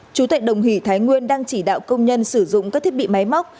chủ tịch đồng hỷ thái nguyên đang chỉ đạo công nhân sử dụng các thiết bị máy móc